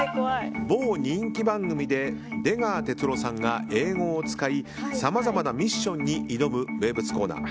某人気番組で出川哲朗さんが英語を使いさまざまなミッションに挑む名物コーナー。